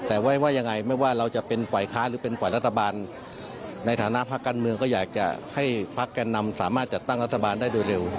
แต่ไว้ว่ายังไงไม่ว่าเราจะเป็นฝ่ายค้าหรือเป็นฝ่ายรัฐบาลในฐานะพักการเมืองก็อยากจะให้พักแก่นำสามารถจัดตั้งรัฐบาลได้โดยเร็ว